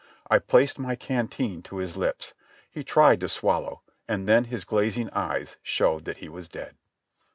I placed my canteen to his hps. He tried to swallow, and then his glazing eyes showed that he was dead.